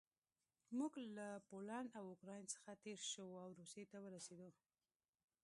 موږ له پولنډ او اوکراین څخه تېر شوو او روسیې ته ورسېدو